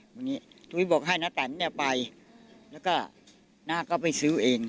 วันนี้ตุ้ยบอกให้น้าแตนเนี่ยไปแล้วก็น้าก็ไปซื้อเอง